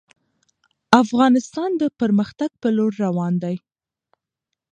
افغانستان د پرمختګ په لوري روان دی.